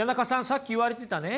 さっき言われてたね